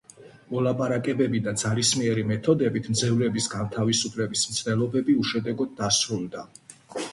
მოლაპარაკებები და ძალისმიერი მეთოდებით მძევლების განთავისუფლების მცდელობები უშედეგოდ დასრულდა.